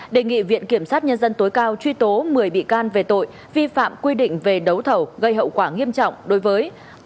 đề nghị viện kiểm sát nhân dân tối cao truy tố một mươi bị can về tội vi phạm quy định về đấu thầu gây hậu quả nghiêm trọng đối với